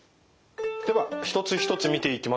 では一つ一つ見ていきましょう。